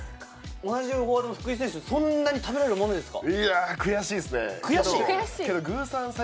同じフォワードの福井選手、そんなに食べられるもんですか？